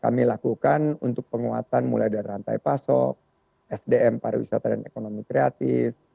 kami lakukan untuk penguatan mulai dari rantai pasok sdm pariwisata dan ekonomi kreatif